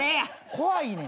怖いねん。